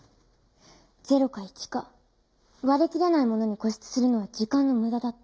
０か１か割り切れないものに固執するのは時間の無駄だって。